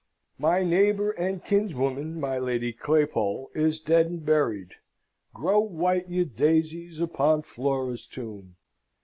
] My neighbour and kinswoman, my Lady Claypole, is dead and buried. Grow white, ye daisies, upon Flora's tomb!